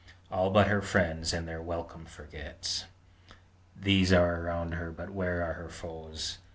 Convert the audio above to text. All but her friends and their welcome forgets! These are around her; but where are her foes?